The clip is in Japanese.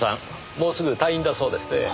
もうすぐ退院だそうですねぇ。